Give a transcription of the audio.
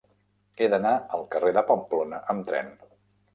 He d'anar al carrer de Pamplona amb tren.